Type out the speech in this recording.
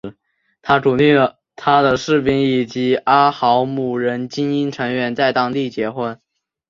他鼓励他的士兵以及阿豪姆人精英成员在当地结婚。